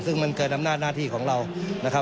ซึ่งมันเกินอำนาจหน้าที่ของเรานะครับ